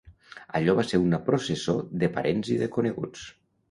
Allò va ser una processó de parents i de coneguts